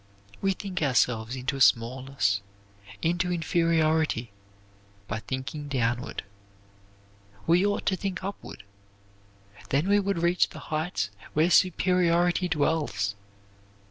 We think ourselves into smallness, into inferiority by thinking downward. We ought to think upward, then we would reach the heights where superiority dwells.